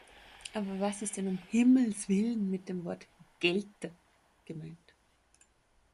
Aber was ist denn um Himmels Willen mit dem Wort "gelte" gemeint?